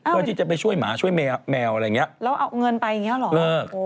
ก็ที่จะไปช่วยหมาช่วยแมวอะไรอย่างนี้แล้วเอาเงินไปอย่างนี้หรอ